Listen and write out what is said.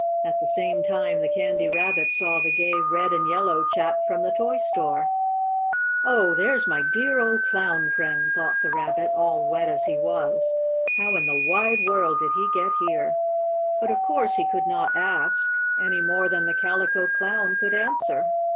At the same time the Candy Rabbit saw the gay red and yellow chap from the toy store. "Oh, there's my dear old Clown friend!" thought the Rabbit, all wet as he was. "How in the wide world did he get here?" But of course he could not ask, any more than the Calico Clown could answer.